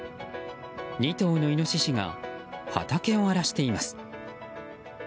２頭のイノシシが畑を荒らしています。